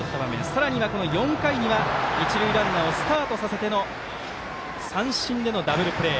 さらには４回には一塁ランナーをスタートさせての三振でのダブルプレー。